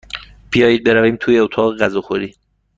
بیایید برویم توی اتاق غذاخوری.